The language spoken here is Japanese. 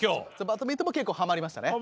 バドミントンも結構はまりましたね。